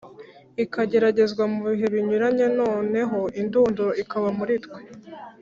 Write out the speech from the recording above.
Ikageragezwa mu bihe binyuranye noneho indunduro ikaba muri twe